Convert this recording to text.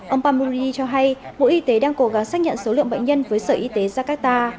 ông pamuri cho hay bộ y tế đang cố gắng xác nhận số lượng bệnh nhân với sở y tế jakarta